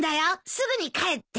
すぐに帰って。